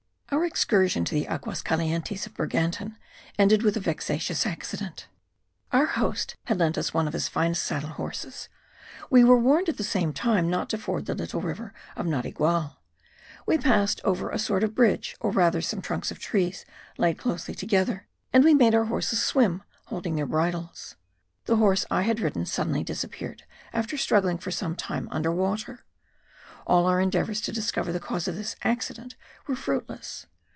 Our excursion to the Aguas Calientes of Bergantin ended with a vexatious accident. Our host had lent us one of his finest saddle horses. We were warned at the same time not to ford the little river of Narigual. We passed over a sort of bridge, or rather some trunks of trees laid closely together, and we made our horses swim, holding their bridles. The horse I had ridden suddenly disappeared after struggling for some time under water: all our endeavours to discover the cause of this accident were fruitless.